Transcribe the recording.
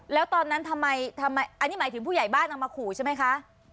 แล้วตอนนั้นทำไมอันนี้หมายถึงผู้ใหญ่บ้านเอามาขู่ใช่ไหมคะ